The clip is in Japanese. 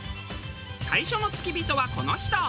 最初の付き人はこの人。